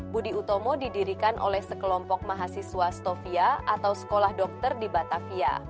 budi utomo didirikan oleh sekelompok mahasiswa stovia atau sekolah dokter di batavia